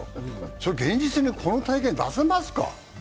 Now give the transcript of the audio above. それ現実的にこの大会に出せますか？